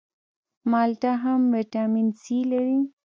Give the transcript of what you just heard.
مالټه هم ویټامین سي لري